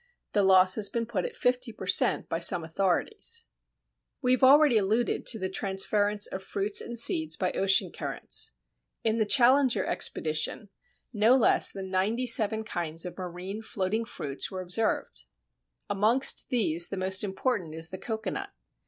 The loss has been put at 50 per cent. by some authorities. Ludwig, l.c., after Ihne, Frauenfeld, Shaw. We have already alluded to the transference of fruits and seeds by ocean currents. In the Challenger expedition, no less than ninety seven kinds of marine floating fruits were observed. Amongst these the most important is the Cocoanut.